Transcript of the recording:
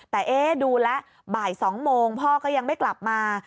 แต่ดูแล้วบ่าย๒โมงพ่อก็ยังไม่กลับมา